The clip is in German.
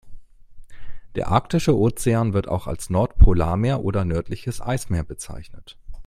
Der Arktische Ozean, wird auch als Nordpolarmeer oder nördliches Eismeer bezeichnet.